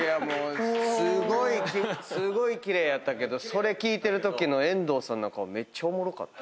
すごい奇麗やったけどそれ聴いてるときの遠藤さんの顔めっちゃおもろかった。